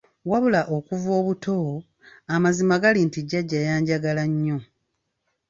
Wabula okuva obuto, amazima gali nti Jjajja yanjagala nnyo.